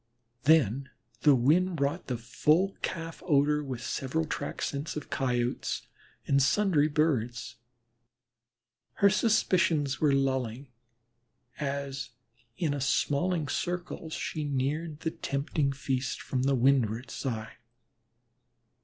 Then the wind brought the full calf odor with several track scents of Coyotes and sundry Birds. Her suspicions were lulling as in a smalling circle she neared the tempting feast from the windward side.